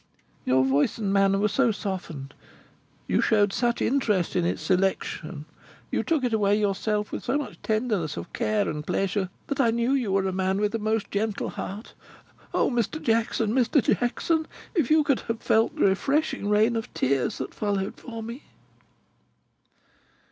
Your voice and manner were so softened, you showed such interest in its selection, you took it away yourself with so much tenderness of care and pleasure, that I knew you were a man with a most gentle heart. O Mr. Jackson, Mr. Jackson, if you could have felt the refreshing rain of tears that followed for me!"